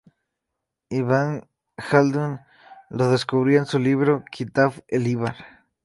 Ibn Jaldún lo describió en su libro "Kitab El Ibar".